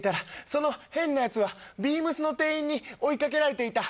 「その変な奴はＢＥＡＭＳの店員に追いかけられていた」